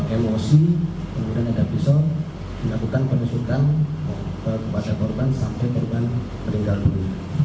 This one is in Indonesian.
emosi kemudian ada pisau dilakukan penusukan kepada korban sampai korban meninggal dunia